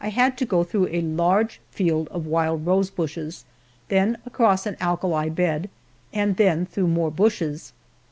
I had to go through a large field of wild rosebushes, then across an alkali bed, and then through more bushes.